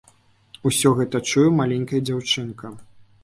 Усё гэта чуе маленькая дзяўчынка.